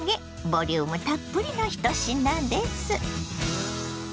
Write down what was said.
ボリュームたっぷりの１品です。